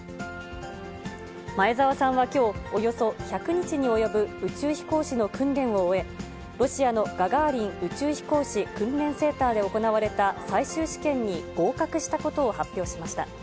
前澤さんはきょう、およそ１００日に及ぶ宇宙飛行士の訓練を終え、ロシアのガガーリン宇宙飛行士訓練センターで行われた最終試験に合格したことを発表しました。